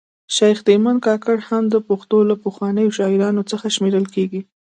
شیخ تیمن کاکړ هم د پښتو له پخوانیو شاعرانو څخه شمېرل کیږي